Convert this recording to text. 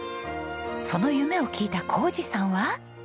その夢を聞いた宏二さんは？